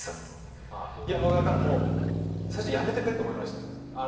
いやだからもう最初やめてくれと思いました。